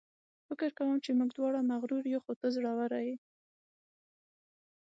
فکر کوم چې موږ دواړه مغرور یو، خو ته زړوره یې.